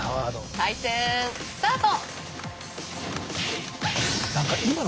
対戦スタート！